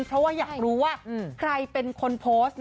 เพราะว่าอยากรู้ว่าใครเป็นคนโพสต์